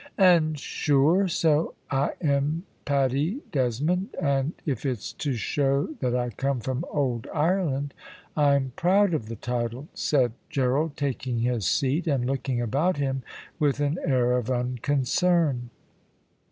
"And sure, so I am Paddy Desmond, and if it's to show that I come from old Ireland, I'm proud of the title," said Gerald, taking his seat, and looking about him with an air of unconcern.